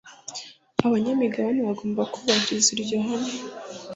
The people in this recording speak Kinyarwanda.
abanyamigabane bagomba kubahirizwa iryo hame